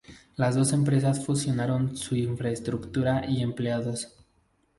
Las dos empresas fusionaron su infraestructura y empleados.